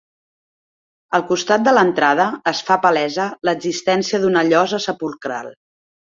Al costat de l'entrada es fa palesa l'existència d'una llosa sepulcral.